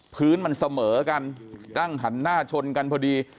พื้นมันเสมอกันนั่งหันหน้าชนกันพอดี